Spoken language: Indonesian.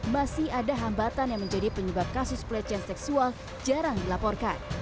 masih ada hambatan yang menjadi penyebab kasus pelecehan seksual jarang dilaporkan